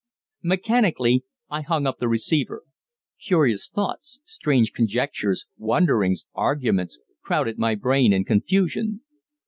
Mechanically I hung up the receiver. Curious thoughts, strange conjectures, wonderings, arguments, crowded my brain in confusion.